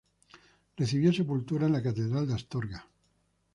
Recibió sepultura en la Catedral de Astorga.